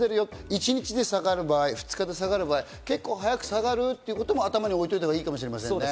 一日で下がる場合、２日で下がる場合、結構早く下がることも頭で覚えておいたほうがいいかもしれないですね。